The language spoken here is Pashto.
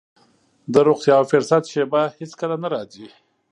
د روغتيا او فرصت شېبه هېڅ کله نه راځي.